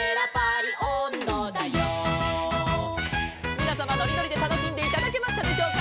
「みなさまのりのりでたのしんでいただけましたでしょうか」